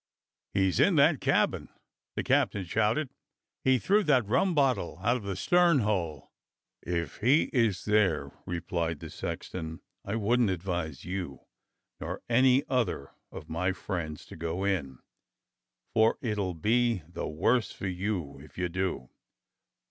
"He's in that cabin!" the captain shouted. "He threw that rum bottle out of the stern hole." "If he is there," replied the sexton, "I wouldn't ad vise you nor any other of my friends to go in, for it'll be the worse for you if you do.